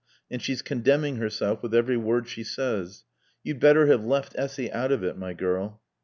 And she's condemning herself with every word she says. You'd better have left Essy out of it, my girl."